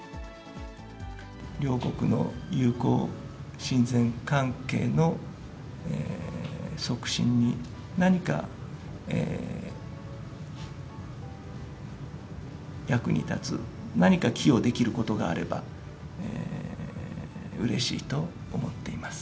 両国の友好親善関係の促進に、何か役に立つ、何か寄与できることがあればうれしいと思っています。